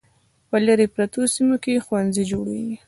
په لیرې پرتو سیمو کې ښوونځي جوړیږي.